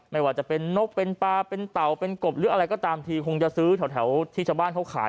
ไม่ว่าจะเป็นนกเป็นปลาเป็นเต่าเป็นกบหรืออะไรก็ตามทีคงจะซื้อแถวที่ชาวบ้านเขาขาย